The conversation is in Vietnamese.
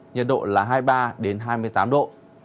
nhật độ là hai mươi ba đến hai mươi tám độ